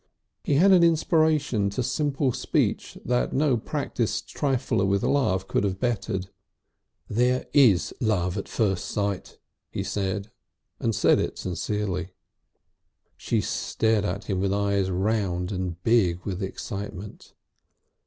He had an inspiration to simple speech that no practised trifler with love could have bettered. "There is love at first sight," he said, and said it sincerely. She stared at him with eyes round and big with excitement.